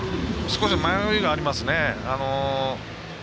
少し迷いがありますね。